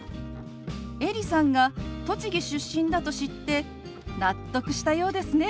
エリさんが栃木出身だと知って納得したようですね。